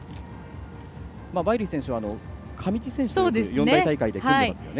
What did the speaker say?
ワイリー選手は、上地選手と四大大会で組んでいますよね。